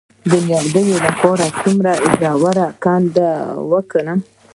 د نیالګي لپاره څومره ژوره کنده وکینم؟